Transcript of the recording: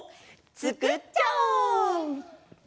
つくっちゃおう！